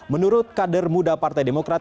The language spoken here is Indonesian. menurut kader muda partai demokrat